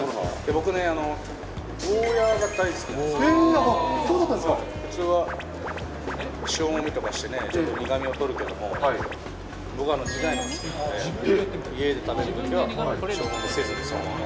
僕ね、ゴーヤが大好きなんでそうだったんですか？普通は塩もみとかしてね、ちょっと苦みを取るけども、僕は苦いのが好きなんで、家で食べるときは塩もみせずに、そのまま。